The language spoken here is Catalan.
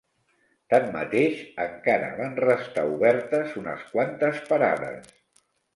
Tanmateix, encara van restar obertes unes quantes parades